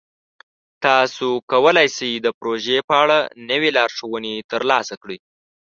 تاسو کولی شئ د پروژې په اړه نوې لارښوونې ترلاسه کړئ.